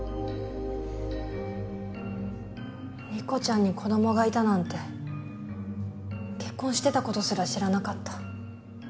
理子ちゃんに子どもがいたなんて。結婚してたことすら知らなかった。